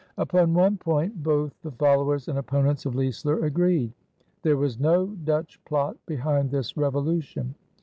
Upon one point, both the followers and opponents of Leisler agreed: there was no Dutch plot behind this revolution.